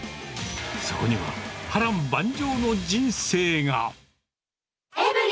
そこには波乱万丈の人生が。